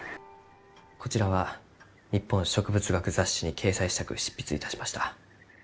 こちらは「日本植物学雑誌」に掲載したく執筆いたしました。